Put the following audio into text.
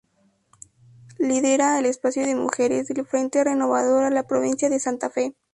Lidera el espacio de Mujeres del Frente Renovador en la Provincia de Santa Fe.